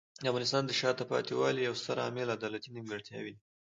د افغانستان د شاته پاتې والي یو ستر عامل عدالتي نیمګړتیاوې دي.